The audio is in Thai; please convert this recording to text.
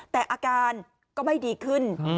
แต่อาการก็ไม่ดีขึ้น